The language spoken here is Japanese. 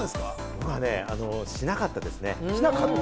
僕はね、しなかったですね。